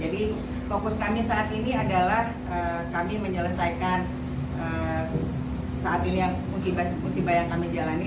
jadi fokus kami saat ini adalah kami menyelesaikan saat ini yang musibah musibah yang kami jalani